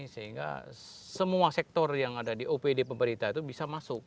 sehingga semua sektor yang ada di opd pemerintah itu bisa masuk